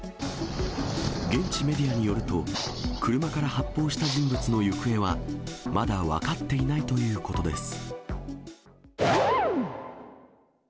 現地メディアによると、車から発砲した人物の行方はまだ分かっていないということです。